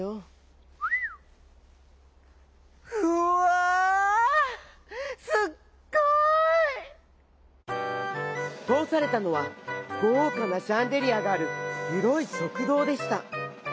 「うわ！すっごい！」。とおされたのはごうかなシャンデリアがあるひろいしょくどうでした。